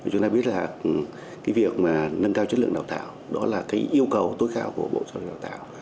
chúng ta biết là cái việc mà nâng cao chất lượng đào tạo đó là cái yêu cầu tối cao của bộ giáo dục đào tạo